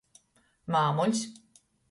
Māmuļs.